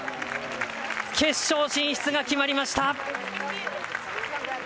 決勝進出が決まりました！